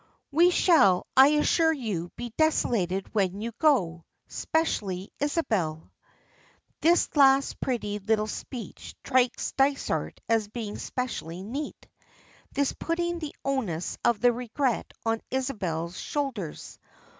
"We shall, I assure you, be desolated when you go, specially Isabel." This last pretty little speech strikes Dysart as being specially neat: This putting the onus of the regret on to Isabel's shoulders.